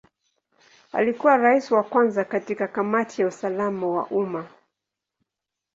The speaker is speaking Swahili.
Alikuwa Rais wa kwanza katika Kamati ya usalama wa umma.